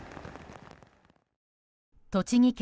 栃木県